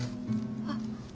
あっ。